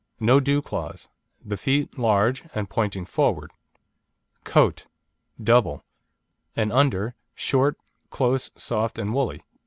No dew claws, the feet large and pointing forward. COAT (DOUBLE) An under, short, close, soft, and woolly.